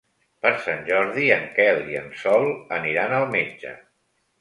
Per Sant Jordi en Quel i en Sol aniran al metge.